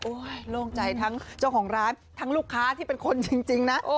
โล่งใจทั้งเจ้าของร้านทั้งลูกค้าที่เป็นคนจริงนะ